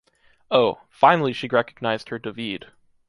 Oh, finally she recognized her Davide!